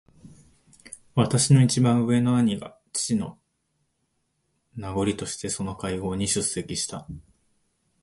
私の一番上の兄が父の名代としてその会合に出席した。